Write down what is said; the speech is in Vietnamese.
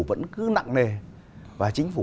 vẫn cứ nặng nề và chính phủ